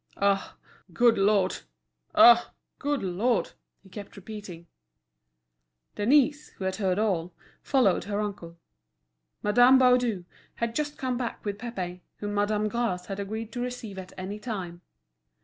"Ah! good Lord! ah! good Lord!" he kept repeating. Denise, who had heard all, followed her uncle. Madame Baudu had just come back with Pépé, whom Madame Gras had agreed to receive at any time.